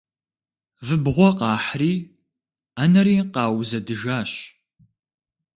Выбгъуэ къахьри ӏэнэри къаузэдыжащ.